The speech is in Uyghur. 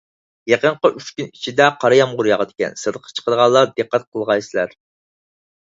يېقىنقى ئۈچ كۈن ئىچىدە قارا يامغۇر ياغىدىكەن، سىرتقا چىقىدىغانلار دىققەت قىلغايسىلەر.